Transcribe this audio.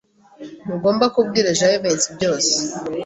Ntugomba kubwira Jivency byose.